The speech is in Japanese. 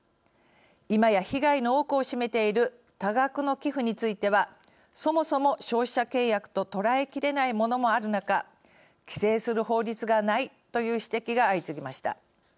今や被害の多くを占めている多額の寄付についてはそもそも消費者契約と捉えきれないものもある中規制する法律がないという指摘が相次ぎました。